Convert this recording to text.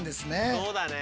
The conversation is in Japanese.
そうだね。